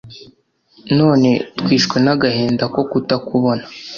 none twishwe n’agahinda ko kutakubona